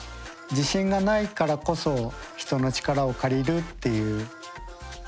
自信がないからこそ人の力を借りるっていうことでいいのかな。